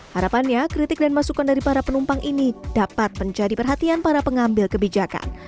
harapannya kritik dan masukan dari para penumpang ini dapat menjadi perhatian para pengambil kebijakan